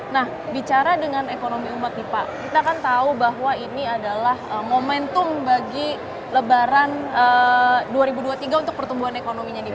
nah bicara dengan ekonomi umat nih pak kita kan tahu bahwa ini adalah momentum bagi lebaran dua ribu dua puluh tiga untuk pertumbuhan ekonominya nih pak